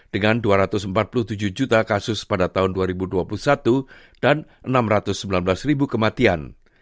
dengan dua ratus empat puluh tujuh juta kasus pada tahun dua ribu dua puluh satu dan enam ratus sembilan belas ribu kematian